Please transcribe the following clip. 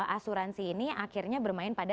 asuransi ini akhirnya bermain pada